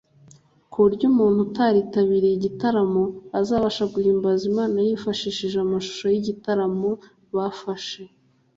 kuburyo n’umuntu utaritabiriye igitaramo azabasha guhimbaza Imana yifashishije amashusho y’igitaramo bafashe